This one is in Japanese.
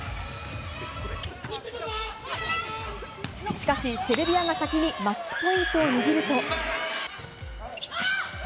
しかし、セルビアが先にマッチポイントを握ると。